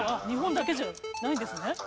日本だけじゃないんですね。